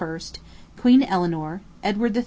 Queen Eleanor, Edward III.